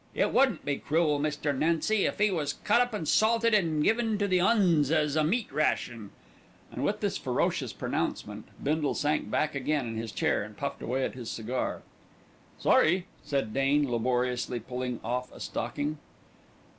It wouldn't be cruel, Mr. Nancy, if 'e was cut up an' salted an' given to the 'Uns as a meat ration;" and with this ferocious pronouncement Bindle sank back again in his chair and puffed away at his cigar. "Sorry!" said Dane, laboriously pulling off a stocking.